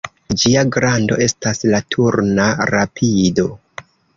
Ĝia grando estas la turna rapido.